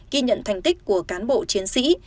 khi nhận thành tích của cán bộ chiến sĩ